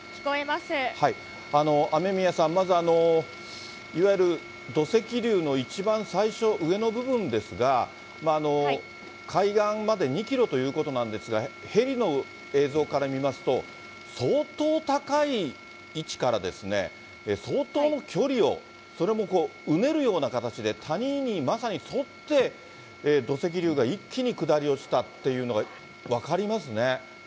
雨宮さん、まずは、いわゆる土石流の一番最初、上の部分ですが、海岸まで２キロということなんですが、ヘリの映像から見ますと、相当高い位置から相当の距離を、それもうねるような形で、谷に、まさに沿って土石流が一気に下り落ちたっていうのが分かりますね。